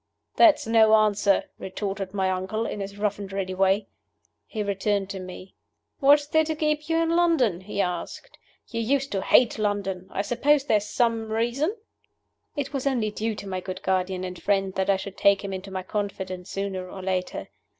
"That's no answer," retorted my uncle, in his rough and ready way. He turned to me. "What is there to keep you in London?" he asked. "You used to hate London. I suppose there is some reason?" It was only due to my good guardian and friend that I should take him into my confidence sooner or later.